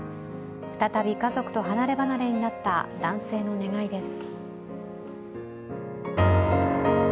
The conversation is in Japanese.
再び家族と離れ離れになった男性の願いです。